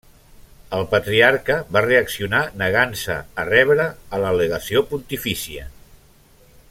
El Patriarca va reaccionar negant-se a rebre a la legació pontifícia.